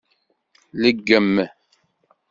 Leggem.